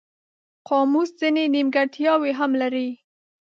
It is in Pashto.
قاموس ځینې نیمګړتیاوې هم لري.